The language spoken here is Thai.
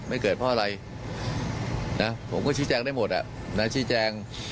เกิดเพราะอะไรนะผมก็ชี้แจงได้หมดชี้แจง